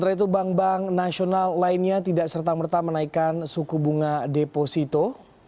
setelah itu bank bank nasional lainnya tidak serta merta menaikkan suku bunga deposito